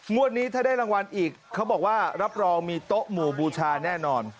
วันนี้ถ้าได้รางวัลอีกเขาบอกว่ารับรองมีโต๊ะหมู่บูชาแน่นอน